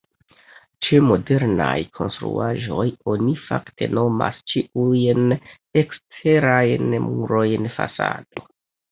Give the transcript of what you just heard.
Ĉe modernaj konstruaĵoj oni ofte nomas ĉiujn eksterajn murojn fasado.